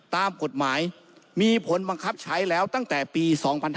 ตามกฎหมายมีผลบังคับใช้แล้วตั้งแต่ปี๒๕๕๙